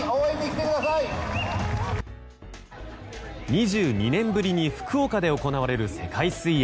２２年ぶりに福岡で行われる世界水泳。